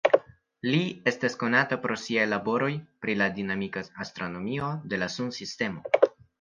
Li estas konata pro siaj laboroj pri la dinamika astronomio de la Sunsistemo.